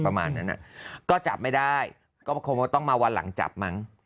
ประมาณนั้นก็จับไม่ได้ก็คงต้องมาวันหลังจับมั้ง